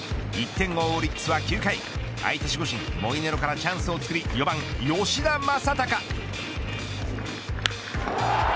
１点を追うオリックスは９回相手守護神モイネロからチャンスをつくり４番、吉田正尚。